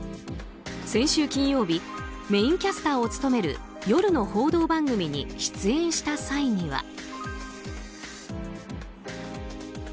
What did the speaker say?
先週金曜日メインキャスターを務める夜の報道番組に出演した際には。